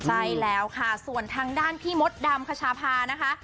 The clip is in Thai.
ใช่แล้วค่ะส่วนทางด้านพี่มดดำคชาพานะคะ